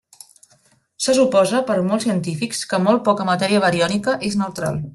Se suposa per molts científics que molt poca matèria bariònica és neutral.